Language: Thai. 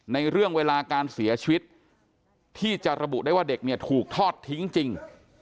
ในเรื่องเวลาการเสียชีวิตที่จะระบุได้ว่าเด็กเนี่ยถูกทอดทิ้งจริง